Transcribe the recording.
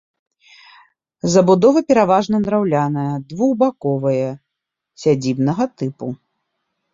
Забудова пераважна драўляная, двухбаковая, сядзібнага тыпу.